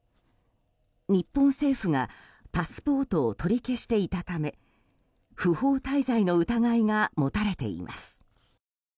日本政府がパスポートを取り消していたため不法滞在の疑いが持たれています。